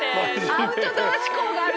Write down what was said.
「アウトドア思考がある」